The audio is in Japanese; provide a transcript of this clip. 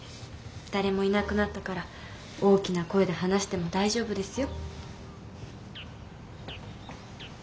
誰もいなくなったから大きな声で話しても大丈夫ですよ。